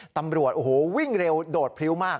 ตำรวจโอ้โหวิ่งเร็วโดดพริ้วมาก